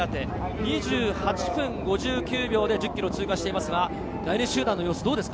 ２８分５９秒で１０ｋｍを通過していますが、第２集団の様子はどうですか？